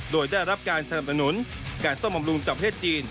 โดยได้รับการสนับสนุนการซ่อมบำรุงจากเพศจีน